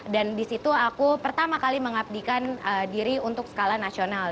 dan disitu aku pertama kali mengabdikan diri untuk skala nasional